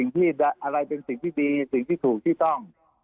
ติดสิ่งที่ดีถูกต้อง